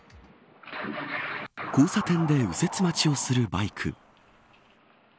交差点で右折待ちをするバイク。